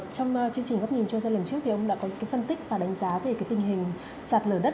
trong chương trình góc nhìn cho dân lần trước thì ông đã có phân tích và đánh giá về tình hình sạt lở đất